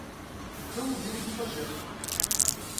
Não me diga o que fazer!